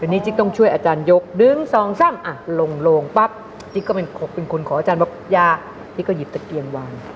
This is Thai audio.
นี่จิ๊กต้องช่วยอาจารยก๑๒๓อ่ะลงปรับจิ๊กก็เป็นคนขออาจารย์อย่านี่ก็หยิบตะเกียงวาง